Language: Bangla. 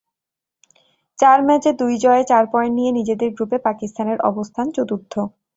চার ম্যাচে দুই জয়ে চার পয়েন্ট নিয়ে নিজেদের গ্রুপে পাকিস্তানের অবস্থান চতুর্থ।